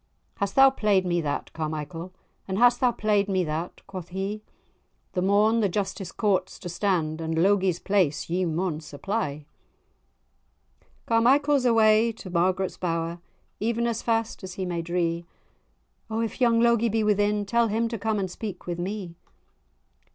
"Hast thou play'd me that, Carmichael? And hast thou play'd me that?" quoth he; "The morn the justice court's to stand, And Logie's place ye maun supplie." Carmichael's awa to Margaret's bower, Even as fast as he may dree— "O if young Logie be within, Tell him to come and speak with me!"